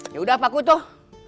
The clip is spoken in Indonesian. ya udah paku tuh